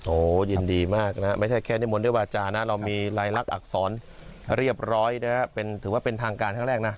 โอ้ยินดีมากนะไม่ใช่แค่นิมนต์ด้วยบาจาร์นะ